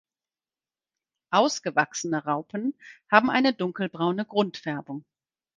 Ausgewachsene Raupen haben eine dunkelbraune Grundfärbung.